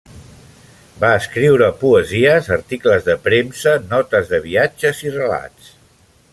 Va escriure poesies, articles de premsa, notes de viatges i relats.